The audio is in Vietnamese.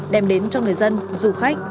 đem đến cho người dân du khách